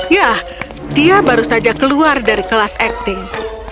ya dia baru saja keluar dari kelas acting